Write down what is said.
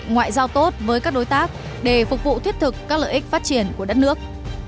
ngoại giao tốt với các đối tác để phục vụ thiết thực các lợi ích phát triển của đất nước